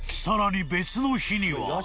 ［さらに別の日には］